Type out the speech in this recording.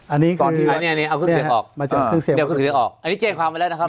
อันนี้คืออันนี้เอาเครื่องเสียงออกอันนี้เจ่งความไปแล้วนะครับ